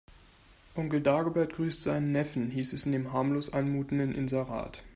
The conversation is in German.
Onkel Dagobert grüßt seinen Neffen, hieß es in dem harmlos anmutenden Inserat.